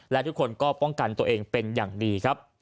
และทุกคนก็ป้องกันตัวเองเป็นอย่างดีครับ